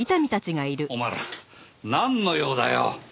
お前らなんの用だよ？